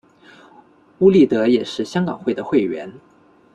邬励德也是香港会的会员。